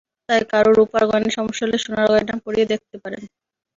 তাই কারও রুপার গয়নায় সমস্যা হলে, সোনার গয়না পরিয়ে দেখতে পারেন।